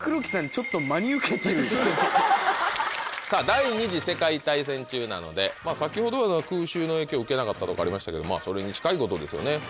さぁ第二次世界大戦中なので先ほど空襲の影響受けなかったとかありましたけどそれに近いことですよね。